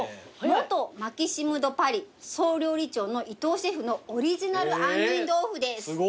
元マキシム・ド・パリ総料理長の伊藤シェフのオリジナル杏仁豆腐です。